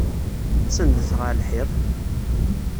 Senndet ɣer lḥiḍ!